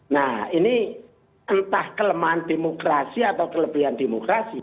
nah ini entah kelemahan demokrasi atau kelebihan demokrasi